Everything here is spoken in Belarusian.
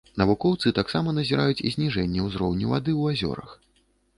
Навукоўцы таксама назіраюць зніжэнне ўзроўню вады ў азёрах.